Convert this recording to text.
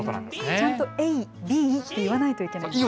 ちゃんと、えい、びいと言わないといけないんですね。